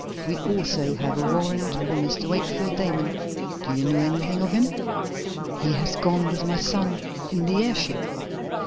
We also have a warrant for Mr. Wakefield Damon. Do you know anything of him?" "He has gone with my son in the airship."